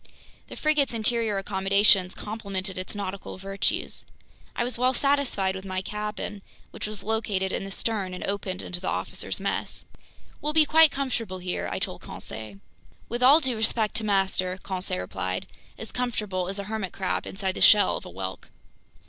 The frigate's interior accommodations complemented its nautical virtues. I was well satisfied with my cabin, which was located in the stern and opened into the officers' mess. "We'll be quite comfortable here," I told Conseil. "With all due respect to master," Conseil replied, "as comfortable as a hermit crab inside the shell of a whelk."